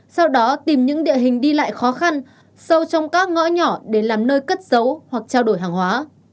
sau đó tìm những địa hình đi lại khó khăn sâu trong các ngõ nhỏ để làm nơi cất giấu hoặc trao đổi hàng hóa